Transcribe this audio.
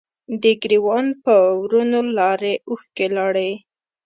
د ګریوان په ورونو لارې، اوښکې لارې